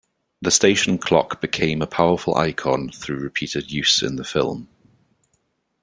The station clock became a powerful icon through repeated use in the film.